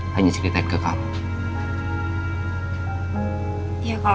hanya sengaja berbicara sama siapa siapa